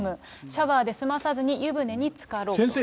シャワーで済まさずに、湯船につかろうということです。